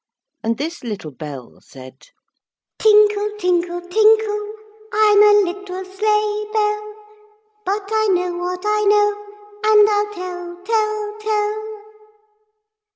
And this little bell said: Tinkle, tinkle, tinkle, I'm a little sleigh bell, But I know what I know, and I'll tell, tell, tell.